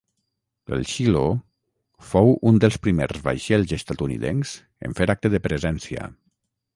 El "Shiloh" fou un dels primers vaixells estatunidencs en fer acte de presència.